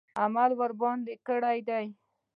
عمل یې ورباندې کړی دی.